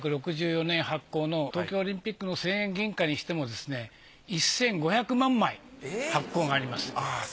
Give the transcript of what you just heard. １９６４年発行の東京オリンピックの１０００円銀貨にしてもですね１，５００万枚発行があります。